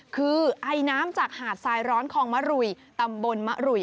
คือไอน้ำจากหาดทรายร้อนคองมะรุยตำบลมะรุย